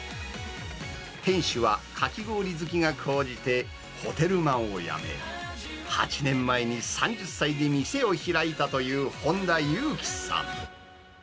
店主は、かき氷好きが高じてホテルマンを辞め、８年前に３０歳で店を開いたという本田ゆうきさん。